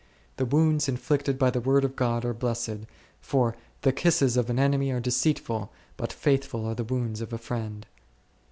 The wounds inflicted by the Word of God are blessed, for, The kisses of an enemy are deceitful, but faithful are the wounds of a friend.